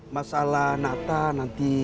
masalah nata nanti